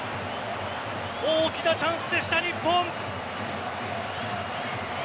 大きなチャンスでした日本。